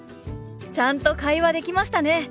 ちゃんと会話できましたね！